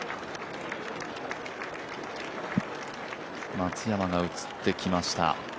松山が映ってきました。